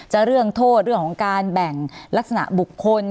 เรื่องโทษเรื่องของการแบ่งลักษณะบุคคล